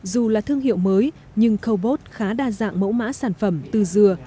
dù là thương hiệu mới nhưng cobot khá đa dạng mẫu mã sản phẩm từ dừa